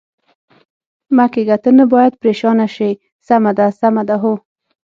مه کېږه، ته نه باید پرېشانه شې، سمه ده، سمه ده؟ هو.